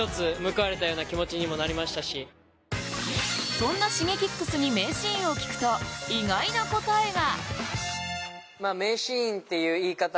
そんなＳｈｉｇｅｋｉｘに名シーンを聞くと意外な答えが。